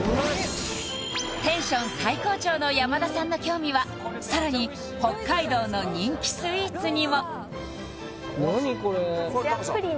テンション最高潮の山田さんの興味はさらに北海道の人気スイーツにも何？